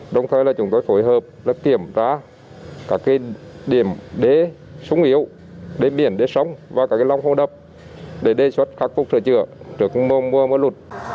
đồng thời chúng tôi phối hợp kiểm tra các điểm đế súng yếu đế biển đế sông và các lông hô đập để đề xuất khắc phục sửa chữa của bão lũ